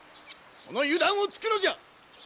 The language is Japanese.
その油断をつくのじゃ！